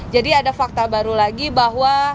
jadi ada fakta baru lagi bahwa